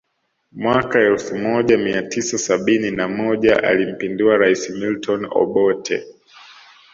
Mwaka elfu moja Mia tisa sabini na moja alimpindua rais Milton Obote